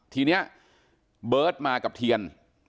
ทีนี้เบิร์ตมากับเทียน